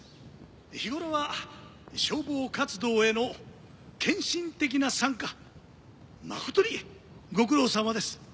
日頃は消防活動への献身的な参加誠にご苦労さまです。